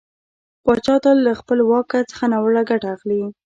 پاچا تل له خپله واک څخه ناوړه ګټه اخلي .